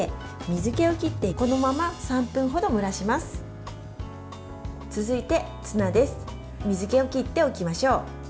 水けを切っておきましょう。